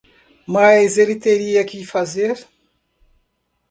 Mas ele teria que fazer.